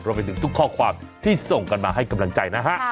ไปถึงทุกข้อความที่ส่งกันมาให้กำลังใจนะฮะ